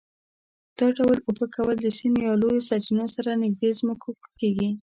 دا ډول اوبه کول د سیند یا لویو سرچینو سره نږدې ځمکو کې کېږي.